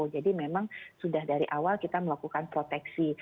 jadi memang sudah dari awal kita melakukan proteksi